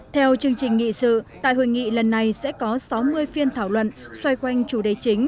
theo chương trình nghị sự tại hội nghị lần này sẽ có sáu mươi phiên thảo luận xoay quanh chủ đề chính